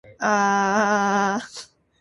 Alah sabung menang sorak